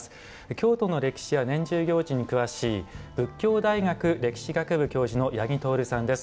京都の歴史や年中行事に詳しい佛教大学歴史学部教授の八木透さんです。